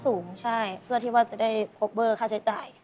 สูงใช่เพื่อที่ว่าจะได้พบเบอร์ค่าใช้จ่าย